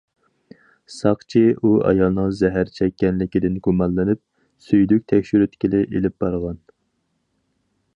ساقچى ئۇ ئايالنىڭ زەھەر چەككەنلىكىدىن گۇمانلىنىپ، سۈيدۈك تەكشۈرتكىلى ئېلىپ بارغان.